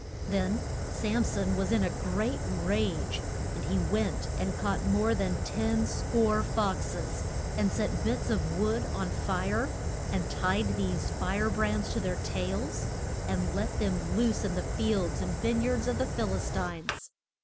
Then Sam son was in a great rage, and he went and caught more than ten score fox es, and set bits of wood on fire, and tied these fire brands to their tails, and let them loose in the fields and vine yards of the Phil is tines.